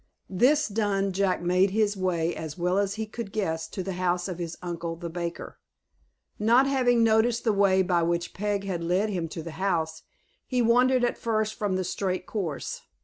This done Jack made his way as well as he could guess to the house of his uncle, the baker. Not having noticed the way by which Peg had led him to the house, he wandered at first from the straight course.